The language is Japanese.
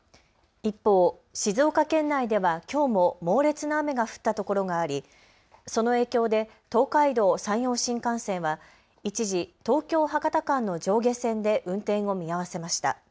一方、静岡県内ではきょうも猛烈な雨が降った所がありその影響で東海道、山陽新幹線は一時東京・博多間の上下線で運転を見合わせました。